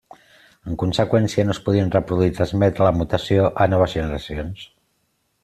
En conseqüència, no es podien reproduir i transmetre la mutació a noves generacions.